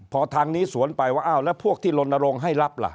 พอทางนี้สวนไปว่าอ้าวแล้วพวกที่ลนรงค์ให้รับล่ะ